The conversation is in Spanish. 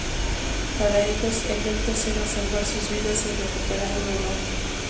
Para ellos, el reto será salvar sus vidas y recuperar el honor.